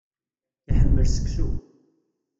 Iḥemmel seksu.